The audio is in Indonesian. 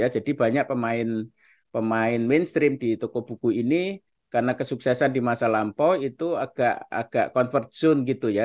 jadi banyak pemain mainstream di toko buku ini karena kesuksesan di masa lampau itu agak convert zone gitu ya